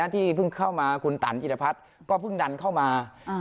ที่เพิ่งเข้ามาคุณตันจิรพัฒน์ก็เพิ่งดันเข้ามา